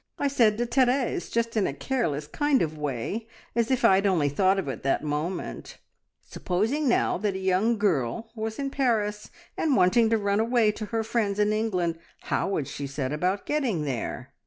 I said to Therese, just in a careless kind of way, as if I had only thought of it that moment: "Supposing now that a young girl was in Paris, and wanting to run away to her friends in England, how would she set about getting there?"